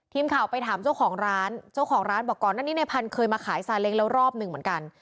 ทีมข่าวไปถามเจ้าของร้านเจ้าของร้านบอกก่อนหน้านี้ในพันธุ์เคยมาขายซาเล้งแล้วรอบหนึ่งเหมือนกัน